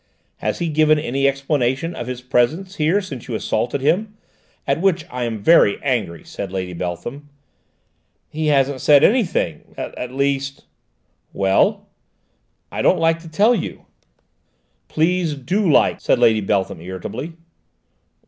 "Has he given any explanation of his presence here since you assaulted him at which I am very angry?" said Lady Beltham. "He hasn't said anything; at least " "Well?" "I don't like to tell you." "Please do like!" said Lady Beltham irritably.